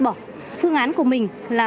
bỏ phương án của mình là